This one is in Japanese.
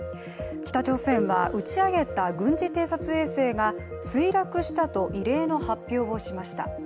北朝鮮は、打ち上げた軍事偵察衛星が墜落したと異例の発表をしました。